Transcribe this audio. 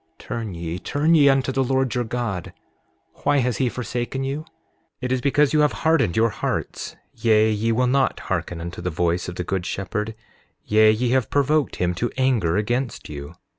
Turn ye, turn ye unto the Lord your God. Why has he forsaken you? 7:18 It is because you have hardened your hearts; yea, ye will not hearken unto the voice of the good shepherd; yea, ye have provoked him to anger against you.